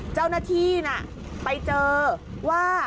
เจ้าหน้าที่น่ะไปเจอว่า